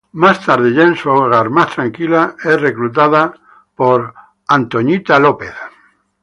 Más tarde ya en su hogar, más tranquila, es reclutada por Mohinder Suresh.